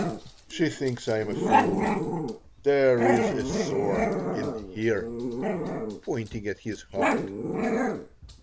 She thinks I am a fool. There is a sore in here " pointing at his heart.